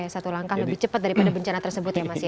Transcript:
satu langkah lebih cepat daripada bencana tersebut ya mas ya